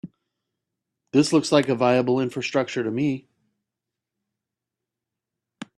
This looks like a viable infrastructure to me.